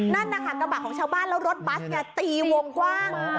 นั่นนะคะกระบะของชาวบ้านแล้วรถบัสไงตีวงกว้าง